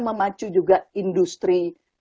memacu juga industri